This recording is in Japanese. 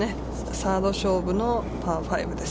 サード勝負のパー５です。